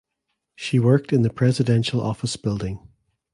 She worked in the Presidential Office Building.